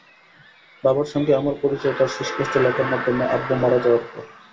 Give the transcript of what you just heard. বাবার সঙ্গে আমার পরিচয় তার সুস্পষ্ট লেখার মাধ্যমে আব্বু মারা যাওয়ার পর।